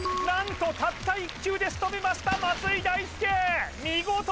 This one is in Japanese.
何とたった１球でしとめました松井大輔見事！